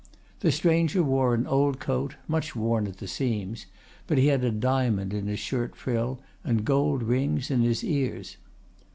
The stranger wore an old coat, much worn at the seams; but he had a diamond in his shirt frill, and gold rings in his ears.